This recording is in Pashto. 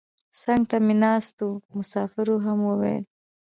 څنګ ته مې ناستو مسافرو هم ویل.